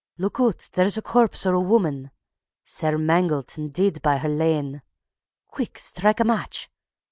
Look oot, there's the corpse o' a wumman, sair mangelt and deid by her lane. Quick! Strike a match.